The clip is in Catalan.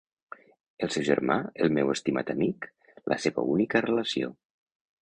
El seu germà, el meu estimat amic: la seva única relació.